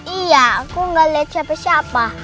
iya aku gak lihat siapa siapa